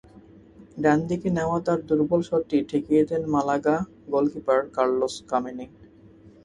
ডান দিকে নেওয়া তাঁর দুর্বল শটটি ঠেকিয়ে দেন মালাগা গোলকিপার কার্লোস কামেনি।